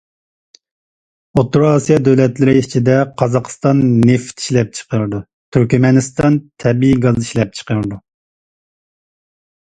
ئوتتۇرا ئاسىيا دۆلەتلىرى ئىچىدە قازاقىستان نېفىت ئىشلەپچىقىرىدۇ، تۈركمەنىستان تەبىئىي گاز ئىشلەپچىقىرىدۇ.